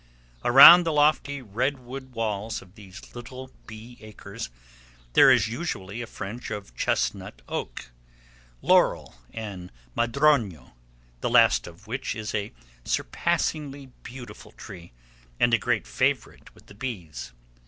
Around the lofty redwood walls of these little bee acres there is usually a fringe of Chestnut Oak, Laurel, and Madroño, the last of which is a surpassingly beautiful tree, and a great favorite with the bees.